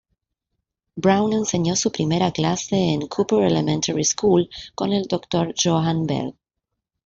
Brown enseñó su primera clase en Cooper Elementary School con el Dr. Joann Bell.